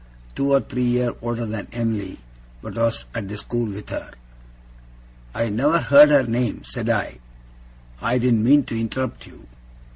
'Two or three year older than Em'ly, but was at the school with her.' 'I never heard her name,' said I. 'I didn't mean to interrupt you.